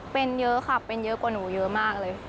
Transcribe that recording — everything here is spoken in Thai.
เป็นเยอะค่ะเป็นเยอะกว่าหนูเยอะมากเลย